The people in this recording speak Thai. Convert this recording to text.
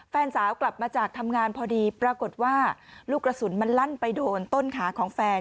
แฟนสาวกลับมาจากทำงานพอดีปรากฏว่าลูกกระสุนมันลั่นไปโดนต้นขาของแฟน